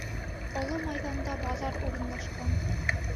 Оло майҙанда баҙар урынлашҡан.